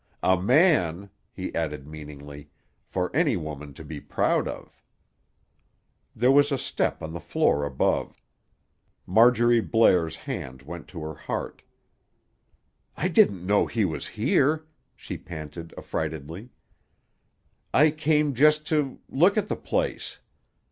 A man," he added meaningly, "for any woman to be proud of." There was a step on the floor above. Marjorie Blair's hand went to her heart. "I didn't know he was here," she panted affrightedly. "I came just to—look at the place.